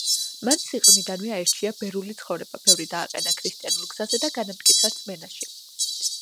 მან სიყრმიდანვე აირჩია ბერული ცხოვრება, ბევრი დააყენა ქრისტიანულ გზაზე და განამტკიცა რწმენაში.